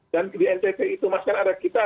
dan di ncc itu mas kan ada kita